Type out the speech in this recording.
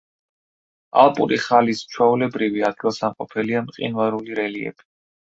ალპური ხალის ჩვეულებრივი ადგილსამყოფელია მყინვარული რელიეფი.